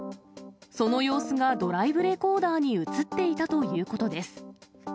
その様子がドライブレコーダーに写っていたということです。